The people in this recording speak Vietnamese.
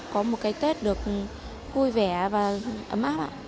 có một cái tết được vui vẻ và ấm áp ạ